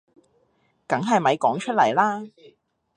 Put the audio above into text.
梗係咪講出嚟啦